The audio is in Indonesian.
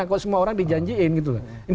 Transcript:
kalau semua orang dijanjiin gitu